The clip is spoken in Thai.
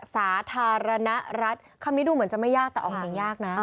สาธารณรัฐคำนี้เหมือนกันจะไม่ยากแต่ออกสันดินะ